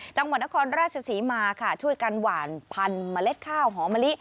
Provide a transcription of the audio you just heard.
จังหวัดนครราชศรีมาค่ะช่วยกันหวานพันธุ์เมล็ดข้าวหอมะลิ